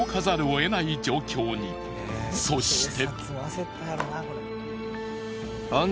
そして。